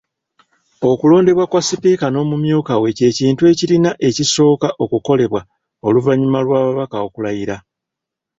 Okulondebwa kwa Sipiika n'omumyuka we kye kintu ekirina ekisooka okukolebwa oluvannyuma lw'ababaka okulayira